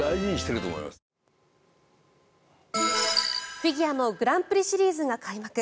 フィギュアのグランプリシリーズが開幕。